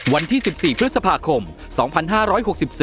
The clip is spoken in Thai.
วันที่สิบสี่พฤษภาคมสองพันห้าร้อยหกสิบสี่